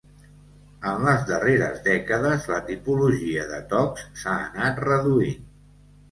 En les darreres dècades, la tipologia de tocs s'ha anat reduint.